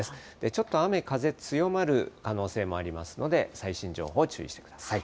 ちょっと雨、風強まる可能性もありますので、最新情報を注意してください。